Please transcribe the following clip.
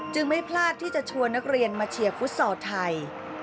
ไม่พลาดที่จะชวนนักเรียนมาเชียร์ฟุตซอลไทย